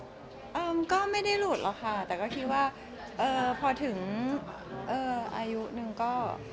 มันก็ไม่ได้หลุดหรอกค่ะแต่ก็คิดว่าพอถึงอายุหนึ่งก็